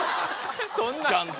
そんな！